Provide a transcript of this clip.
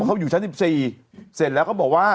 เขาอยู่ชั้น๑๔เสร็จแล้วก็บอกว่า